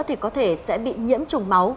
thì có thể sẽ bị nhiễm trùng máu